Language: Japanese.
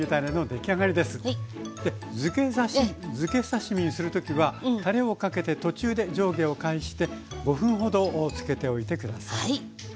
づけ刺身にする時はたれをかけて途中で上下を返して５分ほどつけておいて下さい。